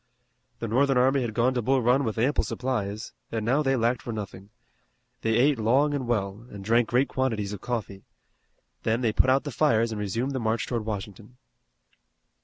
The Northern army had gone to Bull Run with ample supplies, and now they lacked for nothing. They ate long and well, and drank great quantities of coffee. Then they put out the fires and resumed the march toward Washington.